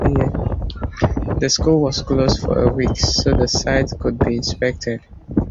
The school was closed for a week so the site could be inspected.